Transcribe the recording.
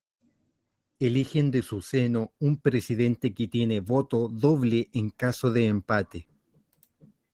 Eligen de su seno un Presidente que tiene voto doble en caso de empate.